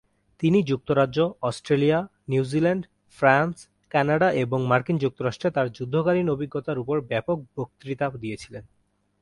তিনি যুক্তরাজ্য, Australia, New Zealand, France, Canada এবং মার্কিন যুক্তরাষ্ট্রে তার যুদ্ধকালীন অভিজ্ঞতার উপর ব্যাপক বক্তৃতা দিয়েছিলেন।